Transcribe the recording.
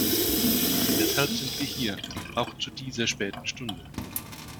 Deshalb sind wir hier, auch zu dieser späten Stunde.